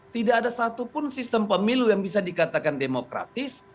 tidak ada satupun sistem pemilu yang bisa dikatakan demokratis